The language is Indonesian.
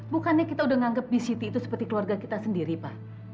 bukannya kita sudah menganggap bisiti itu seperti keluarga kita sendiri pak